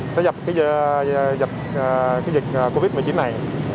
sẽ dập dịch covid một mươi chín này